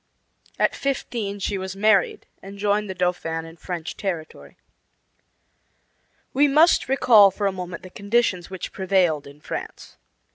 At fifteen she was married and joined the Dauphin in French territory. We must recall for a moment the conditions which prevailed in France.